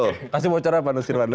oke kasih bocor apa nusir wanda